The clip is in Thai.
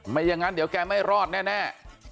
ไม่อย่างนั้นเดี๋ยวแกไม่รอดแน่